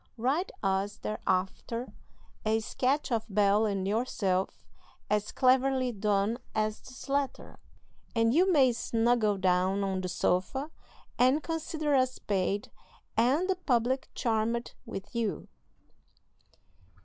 Write us thereafter a sketch of Bel and yourself as cleverly done as this letter, and you may 'snuggle' down on the sofa and consider us paid, and the public charmed with you."